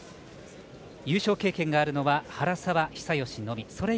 優勝経験があるのは原沢久喜のみ。